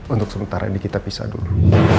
untuk sementara ini kita pisah dulu